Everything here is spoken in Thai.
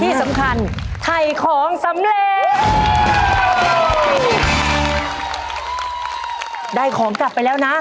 ที่สำคัญถ่ายของสำเร็จ